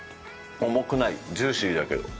重くない、ジューシーだけど。